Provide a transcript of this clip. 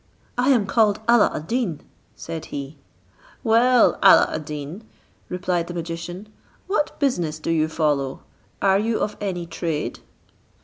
"I am called Alla ad Deen," said he. "Well, Alla ad Deen," replied the magician, "what business do you follow? Are you of any trade?"